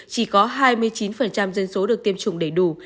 chỉ có hai mươi chín dân số được tiêm chủng đầy đủ